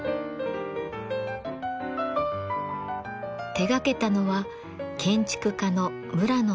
手がけたのは建築家の村野藤吾。